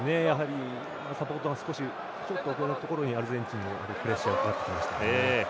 サポートが少し遅れたところにアルゼンチンがプレッシャーをかけていましたね。